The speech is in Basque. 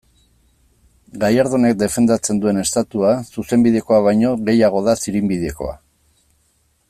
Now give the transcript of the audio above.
Gallardonek defendatzen duen Estatua, zuzenbidekoa baino, gehiago da zirinbidekoa.